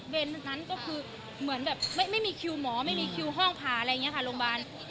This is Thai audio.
เป็นนั้นก็คือเหมือนแบบไม่มีคิวหมอไม่มีคิวห้องผ่าอะไรอย่างนี้ค่ะโรงพยาบาล